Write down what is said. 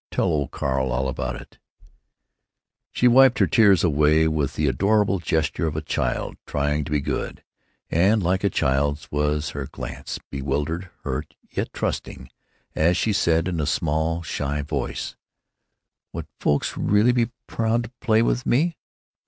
Tell old Carl all about— " She wiped her tears away with the adorable gesture of a child trying to be good, and like a child's was her glance, bewildered, hurt, yet trusting, as she said in a small, shy voice: "Would folks really be proud to play with me?...